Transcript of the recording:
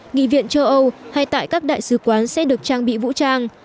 nghị viện châu âu hay tại các đại sứ quán sẽ được trang bị vũ trang